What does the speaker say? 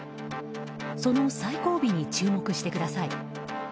その最後尾に注目してください。